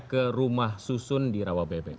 ke rumah susun di rawabebek